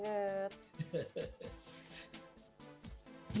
selamat malam terima kasih mbak fadis